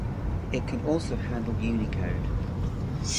It can also handle Unicode.